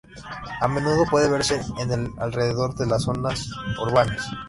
A menudo puede verse en y alrededor de las zonas urbanas.